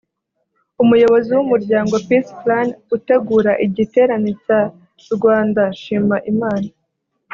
umuyobozi w’Umuryango Peace Plan utegura igiterane cya ‘Rwanda shima Imana’